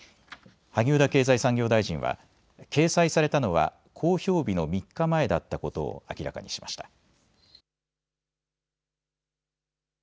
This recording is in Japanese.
萩生田経済産業大臣は掲載されたのは公表日の３日前だったことを明らかにしました。